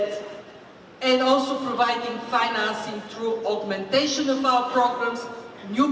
dan juga memberikan finansi dengan menguatkan program program kita